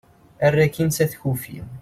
err akin s at kufi